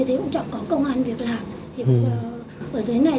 họ vẫn không nguôi được cái hận ấy